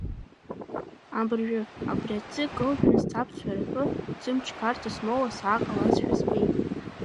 Абыржәы, абри аҭӡы кылжәаны сцап сҳәаратәы, сымч гарҭа смоуа сааҟалазшәа збеит.